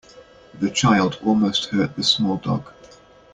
The child almost hurt the small dog.